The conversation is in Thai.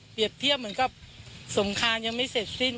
เปรียบเทียบมันสำคัญยังไม่เสร็จสิ้น